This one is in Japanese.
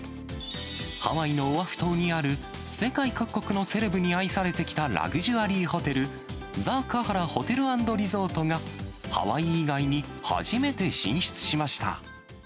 ハワイのオアフ島にある、世界各国のセレブに愛されてきたラグジュアリーホテル、ザ・カハラ・ホテル＆リゾートが、ハワイ以外に初めて進出しました。